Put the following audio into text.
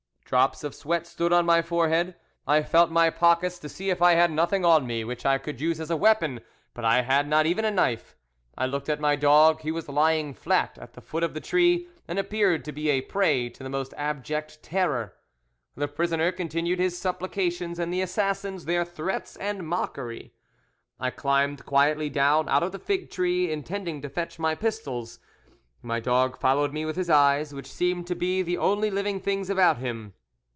Drops of sweat stood on my forehead. I felt my pockets to see if I had nothing on me which I could use as a weapon, but I had not even a knife. I looked at my dog; he was lying flat at the foot of the tree, and appeared to be a prey to the most abject terror. The prisoner continued his supplications, and the assassins their threats and mockery. I climbed quietly down out of the fig tree, intending to fetch my pistols. My dog followed me with his eyes, which seemed to be the only living things about him.